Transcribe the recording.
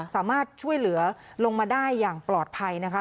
สามารถช่วยเหลือลงมาได้อย่างปลอดภัยนะคะ